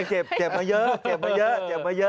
เก็บมาเยอะ